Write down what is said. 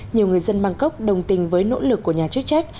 nhiều người dân bangkok đồng tình với nỗ lực của nhà chức trách